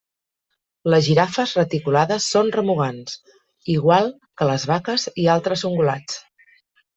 Les girafes reticulades són remugants, igual que les vaques i altres ungulats.